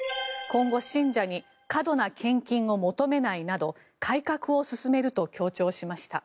今後、信者に過度な献金を求めないなど改革を進めると強調しました。